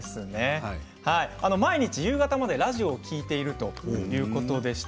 毎日夕方までラジオを聞いているということでした。